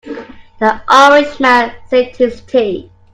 The Irish man sipped his tea.